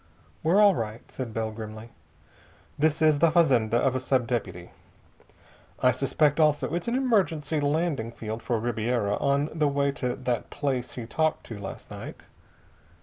"We're all right," said Bell grimly. "This is the fazenda of a sub deputy. I suspect, also, it's an emergency landing field for Ribiera on the way to that place he talked to last night.